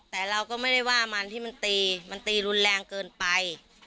แต่เราก็ไม่ได้ว่ามันที่มันตีมันตีรุนแรงเกินไป